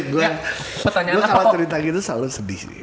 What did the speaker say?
gue kalau cerita gitu selalu sedih sih